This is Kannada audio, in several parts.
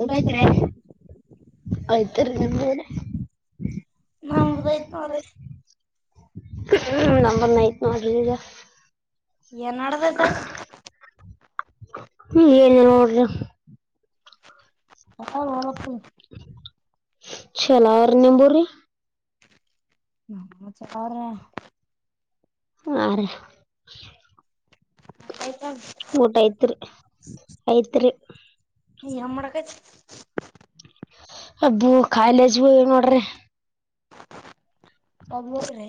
ಊಟ ನತ್ ಐತ್ರಿ ಆಯ್ತರಿ ನಿಮ ನಂಬದಐತ್ ನೋರ ಹ್ಮ ನಂಬರ್ ನೈಟ್ ನ ಆಗಜ ಏನ್ ನಡದೈತ ಹ ಹ್ಮ ಏನು ನೋಡ್ರಿ ಹಕ ಚಲರ ನ ಬರಿ ನ ಚಪ್ಪ ಅವರ ಆ ಊಟ ಐತ್ರಿ ಆಐ್ತ್ರಿ ಈ ಹರಕ ಅಬ್ಬು ಕಾಲೇಜೂ ನೋಡ್ರಿ [unintelligible] ಹೋಗ್ರಿ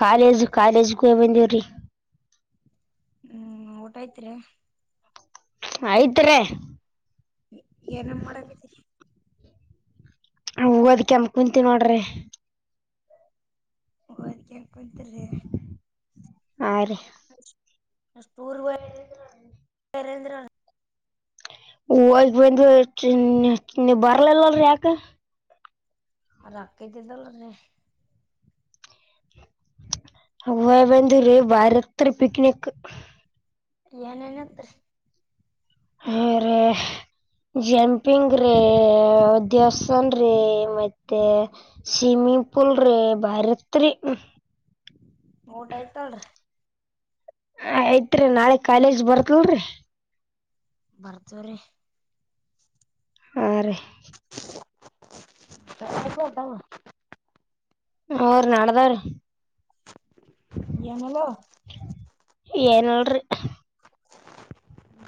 ಕಾಲೇಜ್ ಕಾಲೇಜ್ಗ ಬಂದ್ರಿ ಹ್ಮ್ ಊಟ ಆಐ್ತಿರಿ ಐತ್ರಿ ಏನ ಮಾಡಕಿದ್ದೀರಿ ಹೂ ಅದ್ಕ್ಕೆಮ್ಮ ಕುಂತಿ ನೋಡ್ರಿ ಕೇಕತಿ ಹಾ ರೀ ೂರ್ಂದ ಹ ಬಂದು ಬರ್ಲಿಲ್ಲಲ್ರಿ ಯಾಕ ಆ ರಾಕಿದ್ದಿದ್ದಲ್ಲ ಹ ಹಯಬಂದೂ ರ ಬಾರಕ್ ತ ಪಕ್ನಕ್ ಏನೇನ್ ಐತ್ರಿ ಆ ಜಂಪಿಂಗ್ ರದ ನ್ ರೀ ಮತ್ತೆ ಸ್ವಿಮ್ಮಿಂಗ್ ಪೂಲ್ ರೀ ಭಾರತ್ರಿ ಊಟ ಆಯ್ತಲ್ ಆಯ್ತ್ರಿೀ ನಾಳೆ ಕಾಲೇಜ್ ಬರ್ತವ್ರಿ ಬರ್ತವ್ರೀ ಹಾ ರೀ ಕ ಅವರು ನಾಳದಾ್ರ ಏನಲ್ಲ ಏನಲ್ರಿ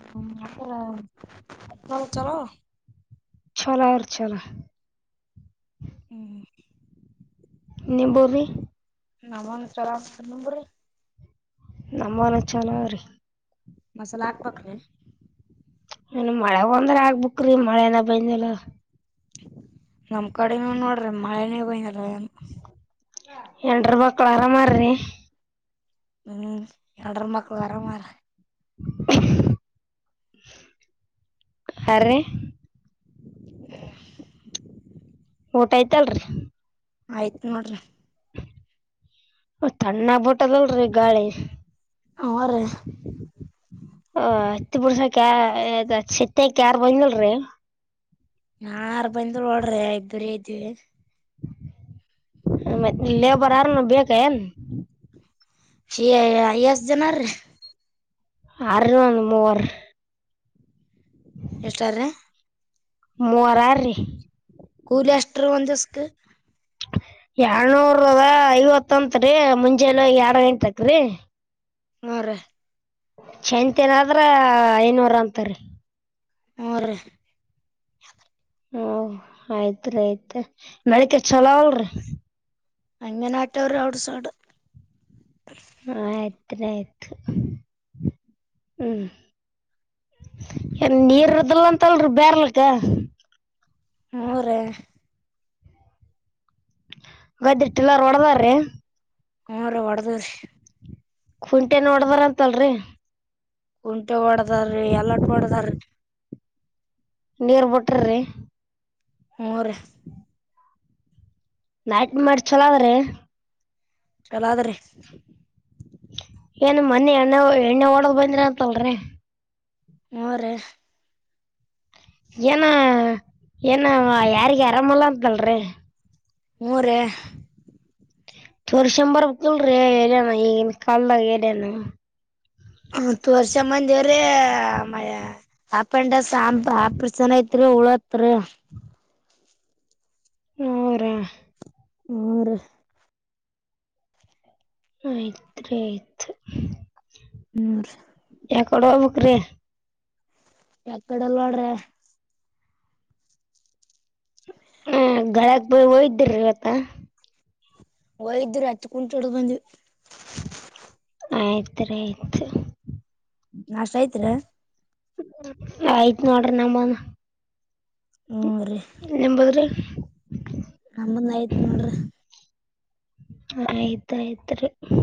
ಹ್ಮತ್ತ ಚಲೋ ಚಲೋ ಅವ್ರಿ [unintelligible] ಹ್ಮ್ ನಿಂಬು ರೀ ನಮನ್ ಸಲಾಮ ನನ್ನಬ್ರಿ ನಮ್ಮ ನ ಚಲ ರೀ ಮಸಾಲ ಹಾಕ್ೀ ಇನ್ ಮಳೆ ಬಂದ್ರ ಆಗ್ಬುಕ್್ರಿ ಮಳೆನ ಬಯಂದಲ್ಲ ನಮ್ ಕಡೆ ನೋಡ್ರಿ ಮಳೆನ ಬಂದಿಲ್ಲ ಏನು ಎಂಡ್ರ್ ಮಕ್ಕಳು ಆರಾಮಾರೀ ಹ್ಮ್ ಎಡರ ಮಕ್ಕಳು ಅರಾಮ್ ಆರ್ ಅರೆ ಹ ಊಟ ಆಯ್ತಲ್ರಿ ಆಯ್ತ್ನೋಡ್ರಿ. ತಣ್ಣ ಭೂಟ್ಟದಲ್ರಿ ಗಾಳಿ. ಅವ್ರೀ ಹ [unintelligible] ಕ್ಯಾ ಚತ್ತ ಕ್ಯಾರ್ ಬಂದಲ್ರಿ. ನಾಾರಬಂದ ೋಡ್ರಿ ಇಬ್ಬರೇ ಐದ್ದವಿ. ಮತ್ತೆ ಲೇಬರ್ ಯಾರ್ನು ಬೇಕ ಏನ್. ಸಿ ಯ ಎಸ್ ಜನ ಆರಿ ಅರ ಒಂದು ಮೂವರ್ ಆಸ್ಟ್ರೇ. ಮುರಾರ ರೀ ಕೂಲಿ ಎಷ್ಟ್ರೀ ಯಾರ ಹ್ಮ ಐವತ್ತಂತ್ ರರಿ ಮುಂಜೆಲು ಹೋಗಿ ಎರಡ್ ಎಂಟಕೀ. ಹಾ ರಿ. ಚೈಂತನ್ ಆದ್ರ ಐನೂರ ಅಂತರಿ. ಹ್ಞೂ ರೀ [unintelligible] ಹಓ ಆಯ್ತ್ರಿೀ ಆಯ್ತ್ ಮಡಿಕ ಚಲೋ ಅಲ್ರಿ. ಅಂಗನ ಆಟವರ ಅವಡ ಸ ಇಡು. ಹ ಆಯ್ತ್ ರಿ ಆಯ್ತ್. ಏ ನೀರ್ ಇದಲ್ಲ ಅಂತಲ್ರಿ ಬೇರ್ಲಕ್ಕ. ಹ್ಞೂ ರೀ ಗದ್ದೆ ಟಿಲ್ಲರ್ ಹೊಡ್ದಾರ್ರಿ ಹರ ವಡದ. ಕುಂಟೆ ನೋಡ್ಬಾರಂತಲ್ರಿ. ಕುಂಟೆ ಒಡದಾರೀ ಎಲ್ಲಟ ಒಡದಾರೀ. ನಿರ್ ಬಟರ್ರೆ. ಹ್ಞೂ ರೀ ಅದ್ರಿ ಚಲ ಆದ್ರಿ. ಏನು ಮನಿ ಎಣ್ಣೆ ಎಣ್ಣೆ ಓಡದ್ ಬಂದ್ರ ಅಂತಲ್ರಿ. ಹ್ಮ್ ರಿ. ಏನ ಏನ ಯಾರಗ ಆರಾಮಲ್ಲ ಅಂತಲ್ರಿ. ಹ ಹ್ಞೂ ರೀ [unintelligible] ಚೋರ್ಷಂಬರಕಲ್ ರ ಏರ ಈ ಕಲ್ದ ಏರಾನ. ಹತ್ತು ವರ್ಷ ಮಂದವ್ರೀ ಮ. ಆಪಂಡಸ್ ಆಪ್ರಸನ್ ಐತ್ರಿ ಉಳತ್ರಿ. ಹರಾ. ಊ ರಿ. ಆಯ್ತ್ ರಿ ಆಯ್ತ್ ಹ್ಮ್ ರಿ ಯ ಕಡಿ ವಗಬೇಕು ರೀ. ಯ ಕಡೆಲ್ಲ ನೋಡ್ರೆ. ಹ್ಮ್ ಗಳಕ್ ಬ ಹಯ್ದ್ರವತ್ತ. ಹೋಗ್ದರು ಹತ್ ಕುಂಟ ಹೊಡು ಬಂದ್ವಿ. ಆಯ್ತ್ು ಆಯ್ತು. ನಾಷ್ಟ ಆಯ್ತ್ರ. ಆಯ್ತ್ು ನೋಡ್ರಿ ನಂಬ ಹ್ಞೂ ರೀ ನಿಂಬದ್ರಿ. ನಮ್ಮಂದ ಆಯ್ತ್ ನೋಡ್ರಿ ಆಯ್ತಾಯ್ತ್ರಿ ಹ್ಮ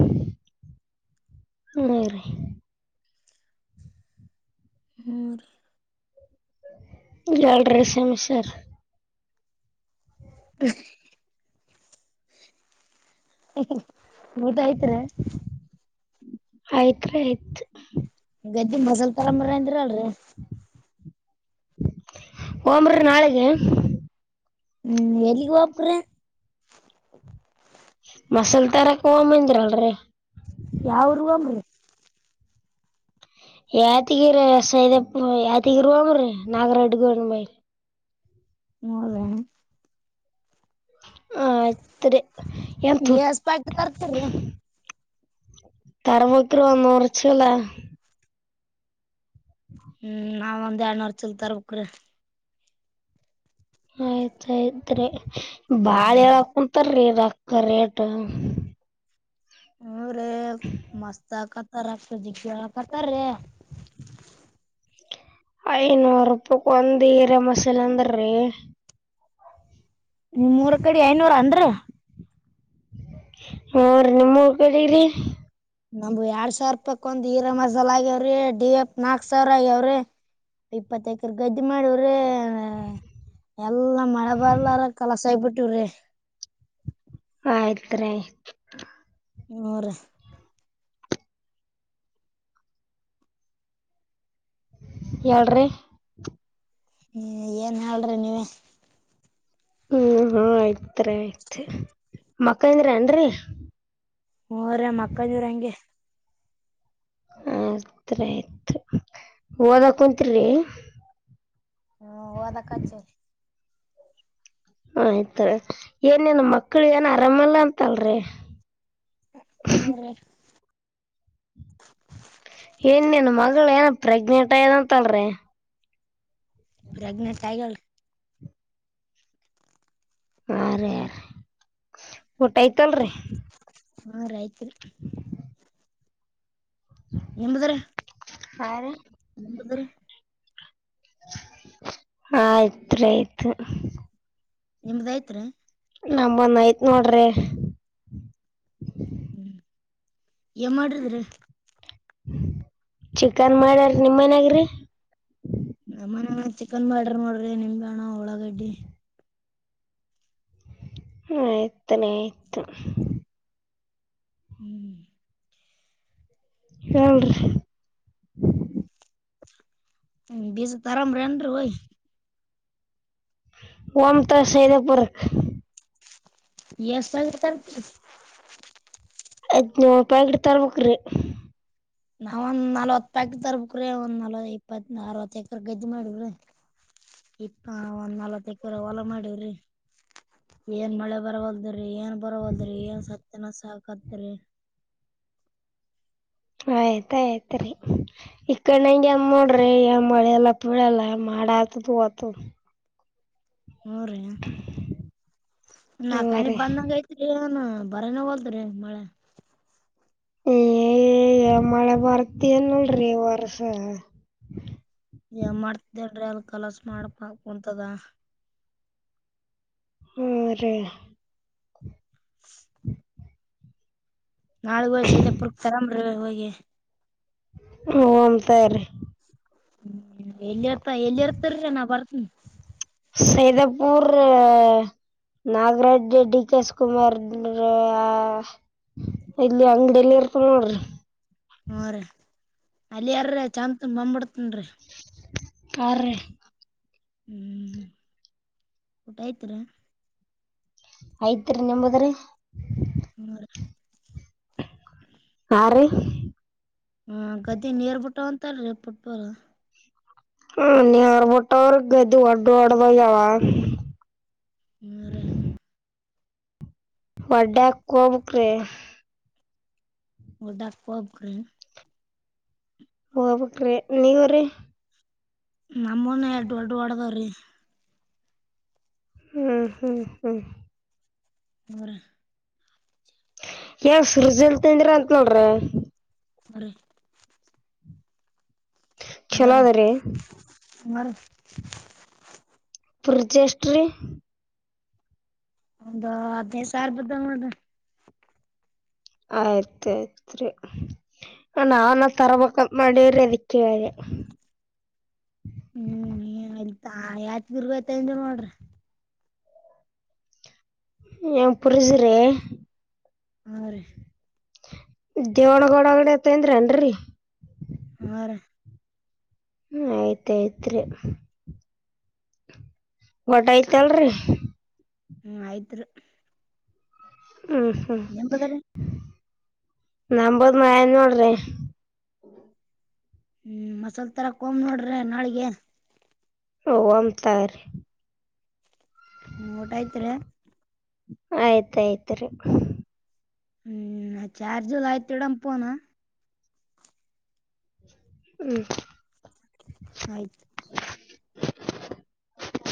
ರರಿ. ಹ. ಜಾಲ್್ರ ಸಮಿಸರ್. ಹ. ಊಟ ಆಯ್ತರಿ. ಆಯ್ತ್ ರಿ ಆಯ್ತ್. ಗದ್ದಿ ಬಸಲ್ ತರಂಬರಂದ್ರ ಅಲ್ರಿ. ಓಮರರು ನಾಳೆಗೆ [unintelligible] ಹ್ಮ್ ಎಲ್ಲಿಕ್ಕೆ ಹಾಕರ [unintelligible] ಮಸಲ್ ತಾರಾ ಕ ಅಮ್ಮಜ್ರಳ ರ [unintelligible] ಯಾವ ಮ್ಮ ಯತಿಗಿರಿ ಸದ ಯಾತಿಗಿರಿಾಮ ರೀ ನಾಗರಡ್ಗು ಮ [unintelligible] ಮೂರುೇಣ [unintelligible] ಆತರೆ ಎ ತ ಎಸ್ ಪ್ಯಾಕೆಟ್ ತರ್ತೀರಿ [unintelligible] ತರ ಬಕರುವ ನೂರ್ಚಲ [unintelligible] ಹ್ಮ್ ನಾವ ಒಂದ್ ಎರಡ್ನೂರ್ ಚಲ ತರ್ಬೇಕ್ರೀ ಆಯ್ತ್ಾಯ್ತ್ರಿ ಬಾಳ ಹ್ಮ್ ಹೇಳಾಕ ಕುಂತರೀ [unintelligible] ಕರೆಕ್ಟ್ ಹ್ಮ ರೇ ಮಸ್ತ ಕತಾರತ ಜ ಕತಾರ ರ ಐನೂರು ರೂಪಾಯಕ್ ಒಂದೀರ ಮಸಾಲ ಅಂದ್ರರಿ ನಿಮ ಮೂೂರ ಕಡಿ ಐನೂರ ಅನ್ರ ಅವ್ರ ನಿಮ್ಮ ಕಡರಿ ನಮ್ ಎರಡ್ ಸಾವಿರ ರೂಪಾಯಿ ಒಂದರಮ ಲ್ ಆಗ್ಯಾವ್ರಿ ಡಿ ಎತ್ ನಾಕ ಸಾವಿರ ಆಗ್ಯಾವ್ರಿ ಇಪ್ಪತ್ತೈ ಗದ್ದೆ ಮಾಡವ್ರಿ ಎಲ್ಲಾ ಮಳೆ ಬರ್ಲಾರ ಕಲಸ ಆಗಬಿಟ್ಟ [unintelligible] ಟರೆೆ [unintelligible] ಆಯ್ತ್ ಆಯ್ತ್ [inaudible] ಹೋರಿ ಹೇಳ್ರಿ ಹ್ಮ ಏನ್ ಹೇಳ್ರಿ ನೀವ ಹ್ಮ್ ಆಯ್ತ್ರಿ ಆಯ್ತ್ ಮಕ್ಕಂದ್ರ ಅನ್ರಿ ಹರ ಅಕ್ಕ ಜವರ ಹೆಂಗೆ [unintelligible] ಆತ್ ಆಯ್ತ್ ಓದಕ ಕುಂತರಿರಿ ಹ್ಮ ಹಓದಕ್ಕಚ್ಚು [unintelligible] ಹಯ್ತ ಏನೇ ನ ಮಕ್ಳ ಏನ ಆರಾಮಲ್ಲ ಅಂತ ಅಲ್ರಿ [unintelligible] ಏನ್ನ್ ಮಗಳ ಏನ ಪ್ರೆಗ್ನೆಂಟ್ ಯದಂತಲ್ರಿ ಪ್ರೆಗ್ನೆಂಟ್ ಹಾಗೌಳೇ ಹ ರ ರ ಊಟ ಆಯ್ತಲ್ರಿ ಹಾ ಆಯ್ತ್ರಿ ನಿಮ್ದು ಹಾ ರೀ ಆಯ್ತ್ ಆಯ್ತು ನಿಂದು ಆಯ್ತಾ ನಮ್ಮನ್ ಆಯ್ತ್ ನೋಡ್ರಿ ಹ್ಮ್ ಏ ಮಾಡ್ರಿದ್ರಿ ಚಿಕನ್ ಮಾಡ್ಯಾರ ನಿಮ್ಮನ್ಯಾಗ್ರಿ ನಮ್ಮ ಮನ ಚಿಕನ್ ಬ ಆಾರ್ಡರ್ ಮಾಡಡ್ರಿ ನಿಮ್ಗ ಅಣ ಒಳಾಗಡ್ಡಿ ಹ ತನ ಯತ [unintelligible] ಹ್ಮ್ ಹೇಳ್ರಿ ಬಜು ತಾರಾಮ ರಂದ್ರ ಹ [unintelligible] ಒಮಂತ ಸನಪುರ [unintelligible] ಎಷ್ಟ ಬರ್ತಾರೆ [unintelligible] ಐನೂರು ರೂಪಾಯಗ ತರವಕ್ಕರು ನಾವಂದ್ ನಲ್ವತ್ತು ಪ್ಯಾಕ ತರ್ಬೇಕಕ್ರೆ ಒಂದ್ ನಾಲ್ ಇಪ್ಪತ್ ಅರವತ್ತ ಎಕರ ಗೆದ್ದು ಮಾಡವ್ರ ಇಪ್ಪ ಒಂದ್ ನಾಲ್ತ್ ಎಕರೆ ಹೊಲ ಮಾಡೇವ್ರಿ ಏನ್ ಮಳೆ ಬರವಲ್ದ್ರಿ ಏನ್ ಬರವಲ್್ರಿ ಏನ್ ಸತ್ತನ ಸಾಕತ್್ರಿ ಆಯ್ತ್ಾಯ್ತ್ರಿ ಈ ಕಡೆ ನಂಗೆ ಅಮ್ಮೋಡ್ರಿ ಅಮ್ಮ ಮೆಲ್ಲ ಪುಳೆಲ್ಲ ಮಾಡಡಾ ಆತ ತು ಅತು ಹ ರೀ ಹ್ಞೂ ನಕಾಣ ರೀ ಬಂದಂಗಯತರಿನು ಬರನ ಹಲ್ತ್ರಿೀ ಮಳೆ ಏ ಮಳೆ ಬರ್ತನ್ಲ್ರರಿ ವರ್ಸ ಮಾಡ್ತಿದ್ದನ್್ರಿ ಅಲ್ ಕಲಸ ಮಾಡಪ ಕುಂತದ ಹ್ಮ ರೇ ನಾಳಗ ವಸ ಇದೆ ಪುರ್ಕ್ ತರಾಮ್ರಿ ಹೋಗಿ ಸ ರೀ ಹ್ಮ ಎಲ್ಲಿ ಇರ್ತ ಎಲ್ಲಿ ಇರ್ತರಿ ನಾ್ ಬರ್ತನಿ ಸೇದಪೂರ್ ನಾಗರಡ್ಡಿ ಡಿ ಕೆೇಶ ಕುಮಾರ್ ಇಲ್ಲಿ ಅಂಗಡಿಯಲ್ಲಿ ಇರ್ತ ನೋಡ್ರಿ ಹ ರೀ ಅಲ್ಲಿ ಯಾರೀ ಚಾಮತ್ನ್ ಬಂಬ್ಬಿಡ್ತನ್ರಿ ಕಾರ್ರ ಹ್ಮ್ ಹ್ಮ್ ಊಟ ಆಯ್ತೀರ ಯ್ತ್ರಿೀ ನಿಂಬದ್ರಿ ಹಾ ರೀ ಹ್ಮ ಗದ್ದಿ ನೀರ್ಬಿಟ್ಟು ಅಂತಲ್ರಿ ಪಟ್ಪರ ಹ ನೀರಬಟ್ಟ ಗ್ದ ಅಡ ಹಡವಾವ ಮರೆ ವಾಡಾ ಕಬ್ರೆ ಒಡಾಕ್ ಪಬ್್ರ ಹಬಕ್್ರಿ ನೀವ್ರೀ ನಮ್ಮನ್ ಎಡ್ ದಡ್ಡಓಡದಾವ್ರೀ ಹ್ಮ್ ಹ್ಮ್ ಹ್ಮ್ ಅವರ ಯಾವ ಸರುಜ ಎಲ್ ತಿಂದಿರ ಅಂತ ನೋಡ್ರಿ ಹ ಬರ ಚಲೋ ಅದ್ರಿ ಬರ ಪರ್ಜೆಸ್್ರಿ ಅದ ಅದೇ ಸಾರ್ ಬದದ ಆಯ್ತ್ ಆಯ್ತ್ರಿ ನಾವನ್ ತರಬೇಕ ಮಾಡಿ ಶ್ರದಿಕುವಾರೆ ಹ್ಮ್ ಎತಾ ಯಾತ್ ಗರ್ಗತ ಅನ್ ನೋಡ್ರಿ ಪರುಸ್ರೆ ಹಾ ರೀ ದೇಳಗ ಒಡಗಡೆ ತನ್್ರ ಏನ್ರಿ ಹ ಹ್ಮ ಆಯ್ತಾಯ್ತ್ರಿ ಒಟಯತಲ್ರಿ ಹ್ಮ ಐದರು ಹ ಹಾ ನಂಬತ್ ಮಯಾನೋಡ್ರ ಹ್ಮ್ ಮಸಾಲ್ ತರಾಕೊಂಬ್ ನೋಡ್ರಿ ನಾಳಗಏನ್ ಓಂತಾರ ನೀ ಊಟ ಐ್ತ್ ಆಯ್ತಾಯ್ತ್ರಿೀ ಹ್ಮ್ ಚಾರ್ಜುಲ್ಲ ಆಯತ್ ಇಡ ಪೋನ ಹ್ಮ್ ಆಯ್ತ್